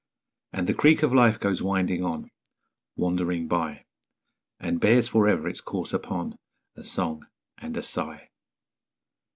And the creek of life goes winding on, Wandering by; And bears for ever, its course upon, A song and a sigh.